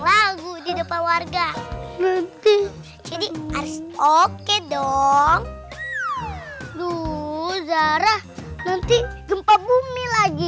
lagu di depan warga jadi harus oke dong zarah nanti gempa bumi lagi